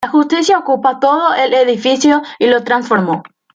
La Justicia ocupó todo el edificio y lo transformó.